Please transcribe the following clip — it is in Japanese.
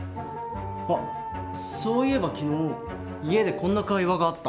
あっそういえば昨日家でこんな会話があった。